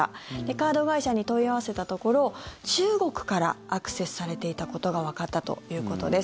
カード会社に問い合わせたところ中国からアクセスされていたことがわかったということです。